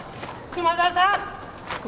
熊沢さん！